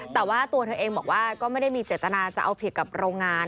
แต่ว่าตัวเธอเองบอกว่าก็ไม่ได้มีเจตนาจะเอาผิดกับโรงงาน